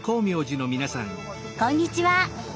こんにちは。